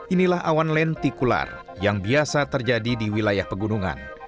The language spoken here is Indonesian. inilah awan lentikular yang biasa terjadi di wilayah pegunungan